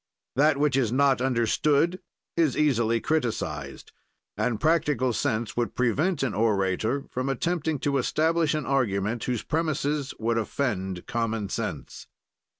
"That which is not understood is easily criticized, and practical sense would prevent an orator from attempting to establish an argument whose premises would offend common sense.